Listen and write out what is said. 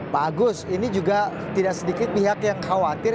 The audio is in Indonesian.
bagus ini juga tidak sedikit pihak yang khawatir